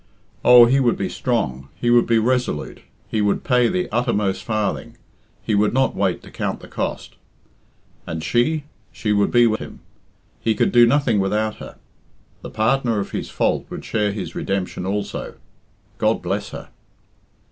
Oh, he would be strong, he would be resolute, he would pay the uttermost farthing, he would not wait to count the cost. And she she would be with him. He could do nothing without her. The partner of his fault would share his redemption also. God bless her!